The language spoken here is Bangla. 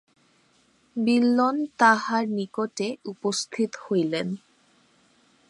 বিল্বন তাঁহার নিকটে উপস্থিত হইলেন।